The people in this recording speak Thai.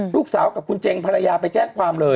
ลูกสาวกับคุณเจงภรรยาไปแจ้งความเลย